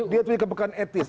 dia punya kepekaan etis